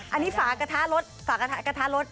อันนี้ฝากระทะรถฝากระทะรถ